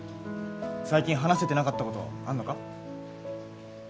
最近話せてなかったことあんのか？